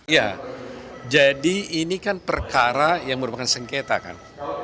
ya jadi ini kan perkara yang merupakan sengketa kan